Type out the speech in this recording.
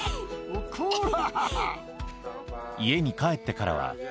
こら！